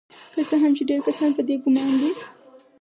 که څه هم چې ډیر کسان په دې ګمان دي